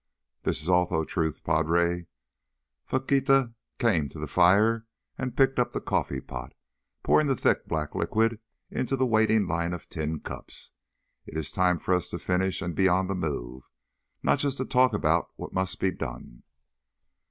"This is also truth, padre." Faquita came to the fire and picked up the coffeepot, pouring the thick black liquid into the waiting line of tin cups. "It is time for us to finish and be on the move—not to just talk of what must be done."